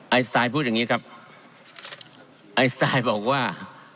สไตล์พูดอย่างงี้ครับไอสไตล์บอกว่า